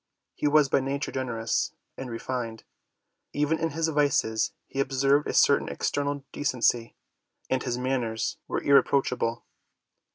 He was by nature generous and re fined. Even in his vices he observed a certain external decency, and his manners were irreproachable.